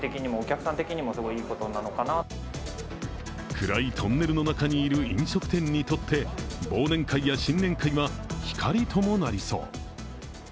暗いトンネルの中にいる飲食店にとって、忘年会や新年会は、光ともなりそう。